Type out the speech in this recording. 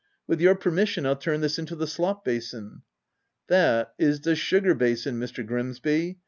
— With your permis sion, I'll turn this into the slop basin." "That is the sugar basin, Mr. Grimsby.